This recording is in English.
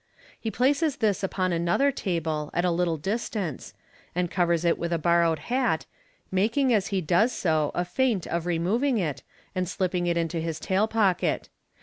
He places this upon anothei table at a little discance, and covers it with a borrowed hat, making as he does so a feint of removing it, and slipping it into his tail pocket.